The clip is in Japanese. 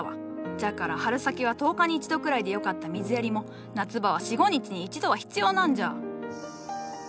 じゃから春先は１０日に一度くらいでよかった水やりも夏場は４５日に一度は必要なんじゃ。